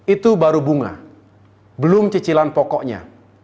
itu baru bunga belum cicilan pokoknya